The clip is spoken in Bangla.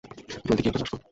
জলদি গিয়ে ওটা নাশ করো।